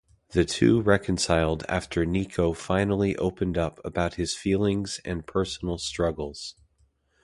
The two reconciled after Nico finally opened up about his feelings and personal struggles.